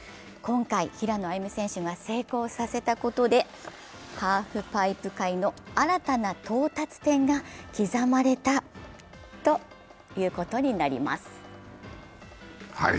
今回、平野歩夢選手が成功させたことで、ハーフパイプ界の新たな到達点が刻まれたということになります。